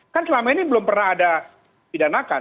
kan selama ini belum pernah ada pidanakan